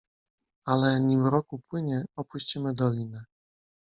"Ale, nim rok upłynie, opuścimy dolinę."